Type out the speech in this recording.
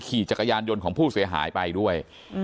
ขี่จักรยานยนต์ของผู้เสียหายไปด้วย